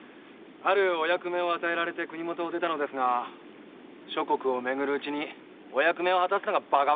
あるお役目を与えられて国許を出たのですが諸国を巡るうちにお役目を果たすのがバカバカしくなりましてね。